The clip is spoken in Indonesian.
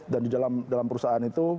dan di dalam perusahaan itu